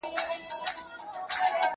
زه هره ورځ د کتابتون د کار مرسته کوم!؟